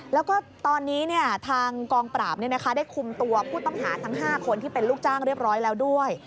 แล้วก็ตอนนี้ทางกองปราบได้คุมตัวผู้ต้องหาทั้ง๕คนที่เป็นลูกจ้างเรียบร้อยแล้วด้วย